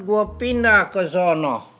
gue pindah ke sana